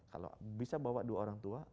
kalau bisa bawa dua orang tua